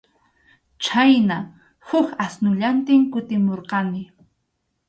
Chhayna huk asnullantin kutimurqani.